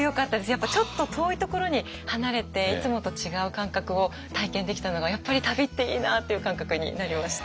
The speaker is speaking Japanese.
やっぱちょっと遠いところに離れていつもと違う感覚を体験できたのがやっぱり旅っていいな！っていう感覚になりました。